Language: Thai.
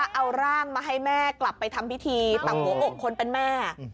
เอาร่างมาให้แม่กลับไปทำพิธีตักหัวอกคนเป็นแม่